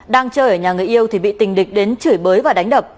đang chơi ở nhà người yêu thì bị tình địch đến chửi bới và đánh đập